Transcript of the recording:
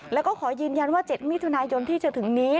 แล้วก็ขอยืนยันว่า๗มิถุนายนที่จะถึงนี้